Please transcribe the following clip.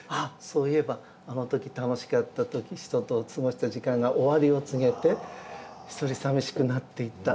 そういえばあの時楽しかった人と過ごした時間が終わりを告げて一人さみしくなっていった。